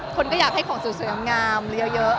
คนก็อยากให้ของสวยงามเยอะอะไรเงี้ยค่ะ